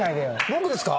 僕ですか？